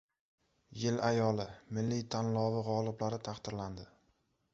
“Yil ayoli” milliy tanlovi g‘oliblari taqdirlandi